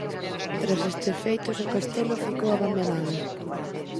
Tras estes feitos o castelo ficou abandonado.